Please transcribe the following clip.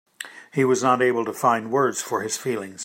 He was not able to find words for his feelings.